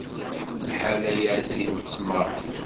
Bḥal ayazi n ttmer.